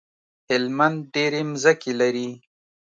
هلمند ډيری مځکی لری